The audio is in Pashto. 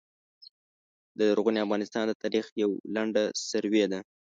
د لرغوني افغانستان د تاریخ یوع لنډه سروې ده